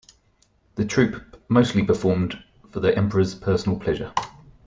The troupe mostly performed for the emperors' personal pleasure.